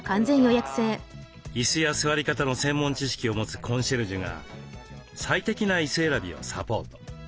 椅子や座り方の専門知識を持つコンシェルジュが最適な椅子選びをサポート。